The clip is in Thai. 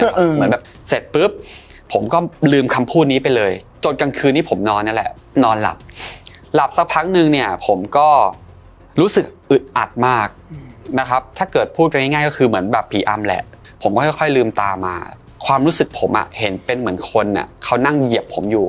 เหมือนแบบเสร็จปุ๊บผมก็ลืมคำพูดนี้ไปเลยจนกลางคืนที่ผมนอนนั่นแหละนอนหลับหลับสักพักนึงเนี่ยผมก็รู้สึกอึดอัดมากนะครับถ้าเกิดพูดกันง่ายก็คือเหมือนแบบผีอำแหละผมก็ค่อยค่อยลืมตามาความรู้สึกผมอ่ะเห็นเป็นเหมือนคนอ่ะเขานั่งเหยียบผมอยู่